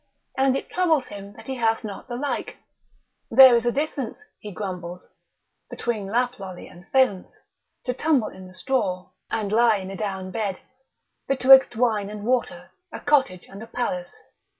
And it troubles him that he hath not the like: there is a difference (he grumbles) between Laplolly and Pheasants, to tumble i' th' straw and lie in a down bed, betwixt wine and water, a cottage and a palace.